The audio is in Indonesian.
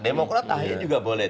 demokrat akhirnya juga boleh